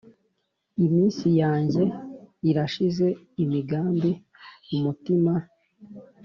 Iminsi yanjye irashize Imigambi umutima